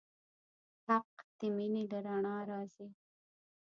حق د مینې له رڼا راځي.